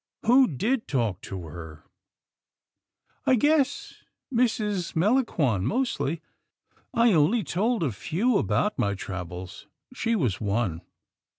" Who did talk to her?" " I guess Mrs. Melangon mostly. I only told a few about my travels. She was one.